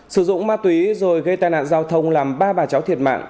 sử dụng ma túy rồi gây tai nạn giao thông làm ba bà cháu thiệt mạng